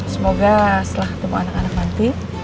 semoga setelah ketemu anak anak nanti